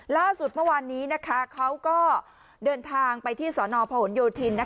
ล่าสุดเมื่อวานนี้เขาก็เดินทางไปที่สนพหนโยธิน